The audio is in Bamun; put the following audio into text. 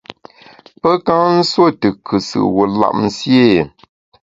Pe nka nsuo tù kùsù wu lap nsié ?